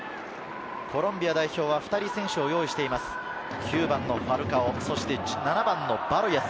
コロンビア代表は２人選手を用意しています、９番のファルカオ、そして７番のバロイェス。